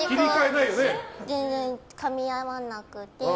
全然かみ合わなくて。